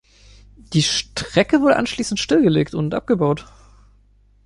Die Strecke wurde anschließend stillgelegt und abgebaut.